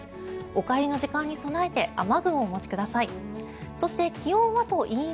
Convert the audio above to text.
お帰りの時間に備えて雨具をお持ちください。